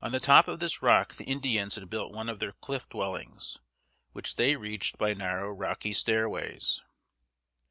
On the top of this rock the Indians had built one of their cliff dwellings, which they reached by narrow rocky stairways.